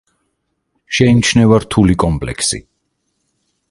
შეიმჩნევა რთული კომპლექსი.